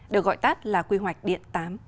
được gọi tắt là quy hoạch điện tám